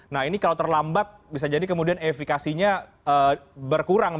nah ini kalau terlambat bisa jadi kemudian efekasinya berkurang